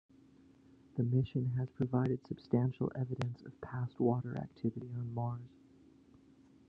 The mission has provided substantial evidence of past water activity on Mars.